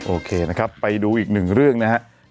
โอเคนะครับไปดูอีกหนึ่งเรื่องนะครับ